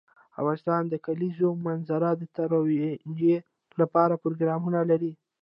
افغانستان د د کلیزو منظره د ترویج لپاره پروګرامونه لري.